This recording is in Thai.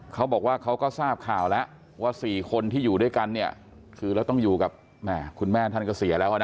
เขาก็ทราบข่าวแล้วว่า๔คนที่อยู่ด้วยกันเนี่ยคือเราต้องอยู่กับแม่ท่านก็เสียแล้วนะ